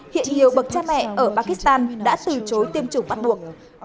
hiện nhiều bậc cha mẹ ở pakistan đã từ chối tiêm chủng bắt buộc